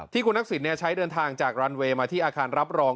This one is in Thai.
คุณทักษิณใช้เดินทางจากรันเวย์มาที่อาคารรับรอง